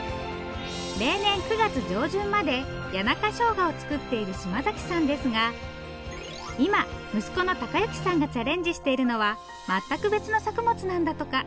例年９月上旬まで谷中しょうがを作っている嶋さんですが今息子の貴之さんがチャレンジしているのは全く別の作物なんだとか。